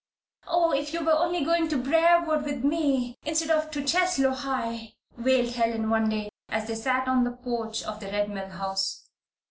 "Oh, if you were only going to Briarwood with me, instead of to Cheslow High!" wailed Helen, one day, as they sat on the porch of the Red Mill house.